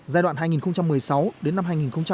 giai đoạn hai nghìn một mươi sáu đến năm hai nghìn hai mươi